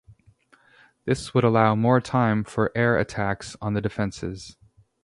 This would allow more time for air attacks on the defences.